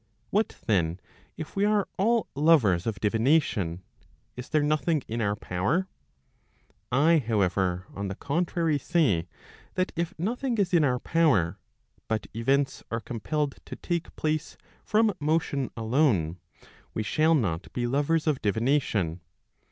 What then, if we are all lovers of divination, is there nothing in our power? I, however, on the contrary say, that if nothing is in our power, but events are compelled to take place from motion alone, we shall not be lovers of divination.